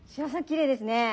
きれいですね。